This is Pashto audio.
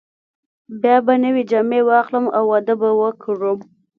بیا به نوې جامې واخلم او واده به وکړم.